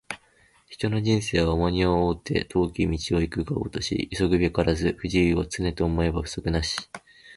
人の一生は重荷を負うて、遠き道を行くがごとし急ぐべからず不自由を、常と思えば不足なし